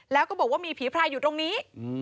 แล้วก็บอกว่ามีผีพรายอยู่ตรงนี้